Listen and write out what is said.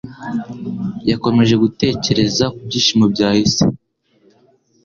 Yakomeje gutekereza kubyishimo byahise.